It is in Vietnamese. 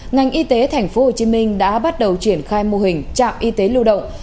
ngành y tế tp hcm đã bắt đầu triển khai mô hình trạm y tế lưu động